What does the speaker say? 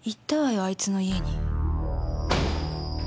あいつの家に。